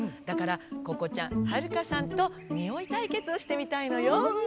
だからここちゃんはるかさんとにおいたいけつをしてみたいのよ。